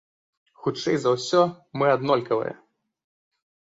Хутчэй за ўсё, мы аднолькавыя.